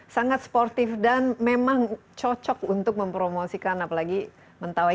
sangat sportif dan memang cocok untuk mempromosikan apalagi mentawai